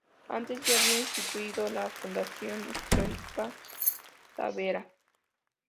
Antes, ya había constituido la Fundación Histórica Tavera.